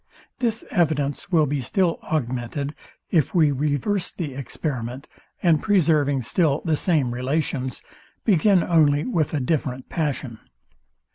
This evidence will be still augmented, if we reverse the experiment, and preserving still the same relations, begin only with a different passion.